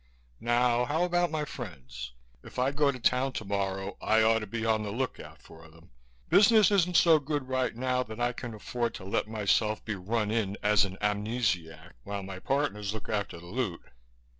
"Now how about my friends? If I go to town tomorrow, I ought to be on the look out for them. Business isn't so good right now that I can afford to let myself be run in as an amnesiac while my partners look after the loot."